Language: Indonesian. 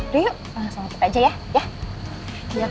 riu langsung aja ya